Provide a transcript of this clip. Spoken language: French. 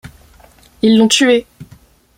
Ils l’ont tué!